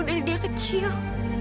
dari dia kecil